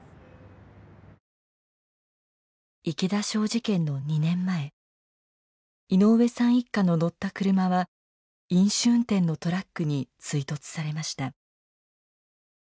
池田小事件の２年前井上さん一家の乗った車は飲酒運転のトラックに追突されました。